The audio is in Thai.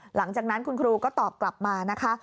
หลังจากนั้นคุณครูก็ตอบกลับมานะคะ